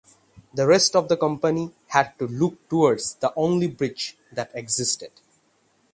The rest of the company had to look toward the only bridge that existed.